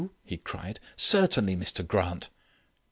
he cried; "certainly, Mr Grant."